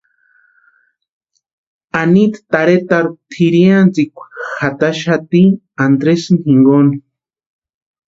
Anita tarhetarhu tʼirhiantsikwa jataxati Andresini jinkoni.